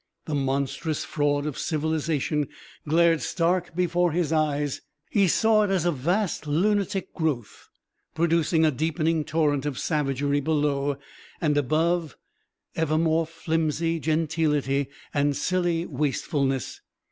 The monstrous fraud of civilisation glared stark before his eyes; he saw it as a vast lunatic growth, producing a deepening torrent of savagery below, and above ever more flimsy gentility and silly wastefulness.